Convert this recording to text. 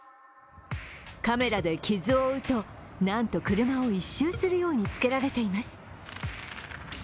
カメラで傷を追うと、なんと、車を１周するようにつけられています。